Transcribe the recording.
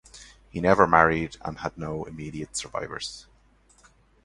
He never married and had no immediate survivors.